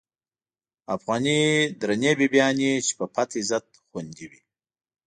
افغانی درنی بیبیانی، چی په پت عزت خوندی وی